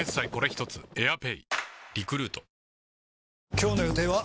今日の予定は？